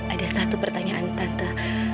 ada satu pertanyaan tante